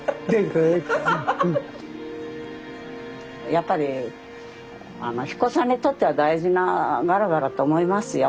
やっぱり英彦山にとっては大事なガラガラと思いますよ